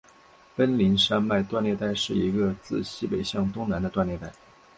奔宁山脉断裂带是一个自西北向东南的断裂带。